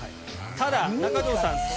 ただ中条さん